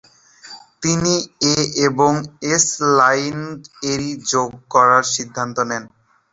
তিনি এ এবং S line এরি যোগ করার সিদ্ধান্ত নেন।